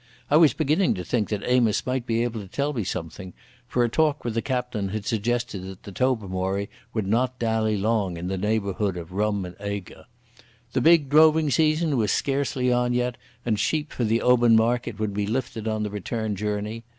I was beginning to think that Amos might be able to tell me something, for a talk with the captain had suggested that the Tobermory would not dally long in the neighbourhood of Rum and Eigg. The big droving season was scarcely on yet, and sheep for the Oban market would be lifted on the return journey.